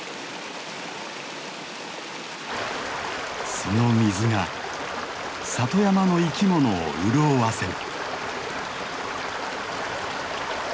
その水が里山の生き物を潤わせる。